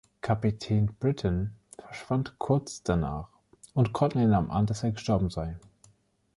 Kapitän Britain verschwand kurz danach und Courtney nahm an, dass er gestorben sei.